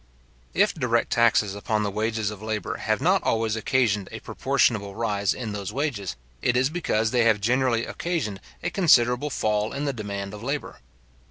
If direct taxes upon the wages of labour have not always occasioned a proportionable rise in those wages, it is because they have generally occasioned a considerable fall in the demand of labour.